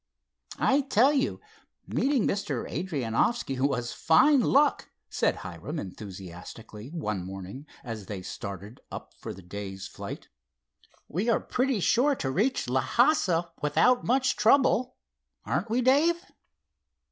"I tell you, meeting Mr. Adrianoffski was fine luck," said Hiram, enthusiastically, one morning, as they started up for the day's flight. "We are pretty sure to reach Lhassa without much trouble; aren't we, Dave?"